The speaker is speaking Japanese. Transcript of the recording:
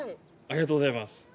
ありがとうございます。